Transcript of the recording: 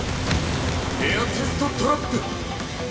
エア・チェスト・トラップ！